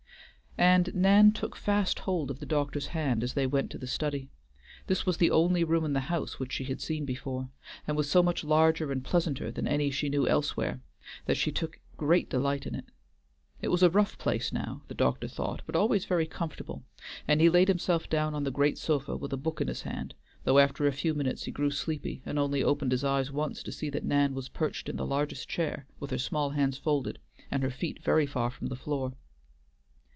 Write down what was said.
And Nan took fast hold of the doctor's hand as they went to the study. This was the only room in the house which she had seen before; and was so much larger and pleasanter than any she knew elsewhere that she took great delight in it. It was a rough place now, the doctor thought, but always very comfortable, and he laid himself down on the great sofa with a book in his hand, though after a few minutes he grew sleepy and only opened his eyes once to see that Nan was perched in the largest chair with her small hands folded, and her feet very far from the floor.